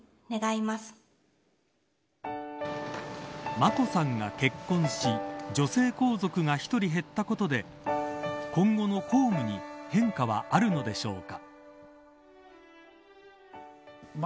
眞子さんが結婚し女性皇族が１人減ったことで今後の公務に変化はあるのでしょうか。